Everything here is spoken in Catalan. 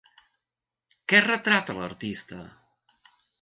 Què retrata l'artista?